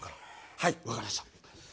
はい分かりました。